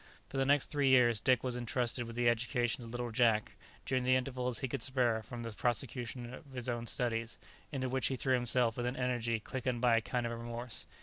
For the next three years Dick was entrusted with the education of little Jack during the intervals he could spare from the prosecution of his own studies, into which he threw himself with an energy quickened by a kind of remorse.